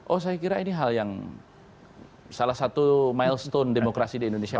oh saya kira ini hal yang salah satu milestone demokrasi di indonesia